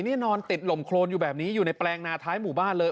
นี่นอนติดลมโครนอยู่แบบนี้อยู่ในแปลงนาท้ายหมู่บ้านเลย